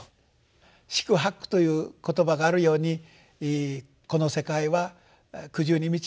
四苦八苦という言葉があるようにこの世界は苦渋に満ちている苦に満ちていると。